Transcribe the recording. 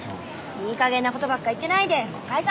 いいかげんなことばっか言ってないで解散！